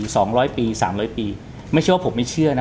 สองร้อยปีสามร้อยปีไม่เชื่อว่าผมไม่เชื่อนะ